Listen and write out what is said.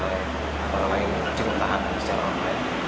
sebagian oleh para layak yang jenguk tahanan secara online